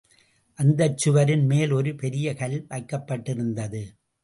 அந்தச் சுவரின் மேல் ஒரு பெரிய கல் வைக்கப்பட்டிருந்தது.